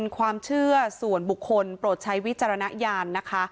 ความเชื่อส่วนบุคคลโปรดใช้วิจารณญาณนะคะ